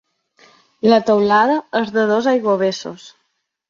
La teulada és de dos aiguavessos.